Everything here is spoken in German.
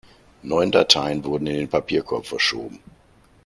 Neun Dateien wurden in den Papierkorb verschoben.